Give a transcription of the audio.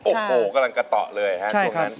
โอโหกำลังกระต่อเลยฮะ